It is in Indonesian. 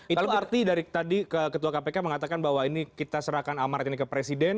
itu arti dari tadi ketua kpk mengatakan bahwa ini kita serahkan amarat ini ke presiden